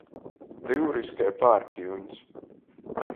Dyuris kai pārkiuņs.